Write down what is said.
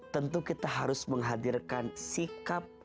tentu kita harus menghadirkan sikap